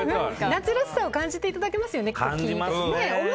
夏らしさを感じていただけますよね。